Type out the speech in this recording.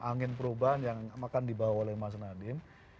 angin perubahan yang akan dibawa oleh mas nadiem